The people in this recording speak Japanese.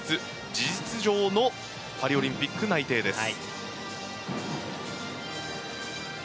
事実上のパリオリンピック内定です。